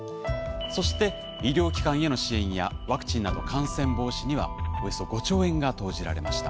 そして医療機関への支援やワクチンなど感染防止にはおよそ５兆円が投じられました。